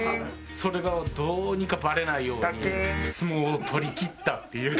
それがどうにかバレないように相撲をとりきったっていう。